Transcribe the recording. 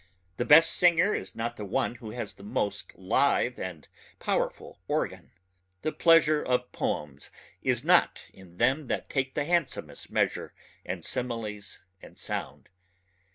The best singer is not the one who has the most lithe and powerful organ ... the pleasure of poems is not in them that take the handsomest measure and similes and sound.